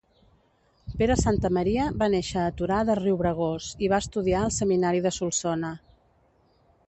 Pere Santamaria va néixer a Torà de Riubregós i va estudiar al Seminari de Solsona.